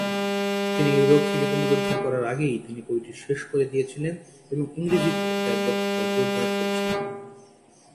তিনি এই রোগ থেকে পুনরুদ্ধার করার আগেই তিনি বইটি শেষ করে দিয়েছিলেন এবং ইংরেজিতে তার দক্ষতা জোরদার করেছিলেন।